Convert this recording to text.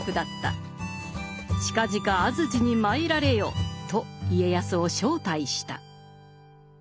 「近々安土に参られよ」と家康を招待した。